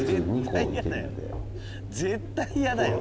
絶対嫌だよ。